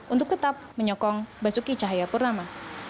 untuk tetap menyokong basuki cahaya purnama